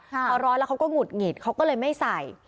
พอร้อนแล้วเขาก็หงุดหงิดเขาก็เลยไม่ใส่